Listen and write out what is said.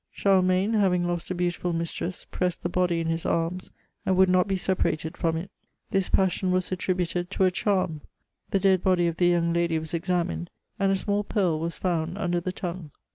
Charlemagne having lost a beautiful mistress, pressed the body in his arms, and would not be separated from it. This passion was attributed to a charm : the dead body of the young lady was examined, and a small pearl was fbimd under the tongue.